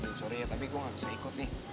eh aduh sorry ya tapi gue gak bisa ikut nih